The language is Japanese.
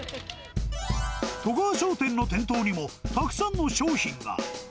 外川商店の店頭にも、たくさんの商品が。